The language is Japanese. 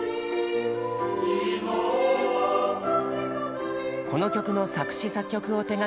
この曲の作詞作曲を手がけたのは。